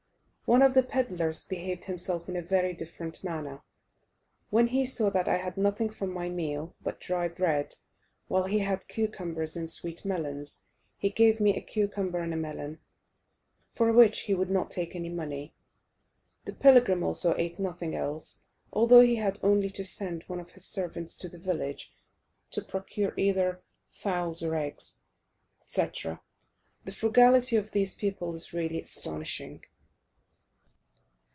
One of the pedlars behaved himself in a very different manner: when he saw that I had nothing for my meal but dry bread, while he had cucumbers and sweet melons, he gave me a cucumber and a melon, for which he would not take any money. The pilgrim also ate nothing else, although he had only to send one of his servants to the village to procure either fowls or eggs, etc. The frugality of these people is really astonishing.